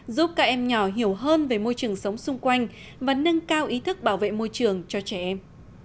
giúp các em nhỏ hiểu hơn về môi trường sống xung quanh và nâng cao ý thức bảo vệ môi trường cho trẻ em